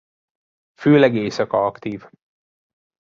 Főleg éjszaka aktív.